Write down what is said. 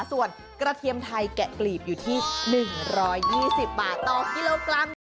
ส่วนกระเทียมไทยแกะกลีบอยู่ที่๑๒๐บาทต่อกิโลกรัม